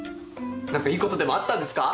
何かいいことでもあったんですか？